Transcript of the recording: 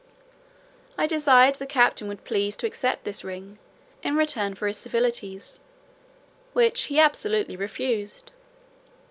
I desired the captain would please to accept this ring in return for his civilities; which he absolutely refused.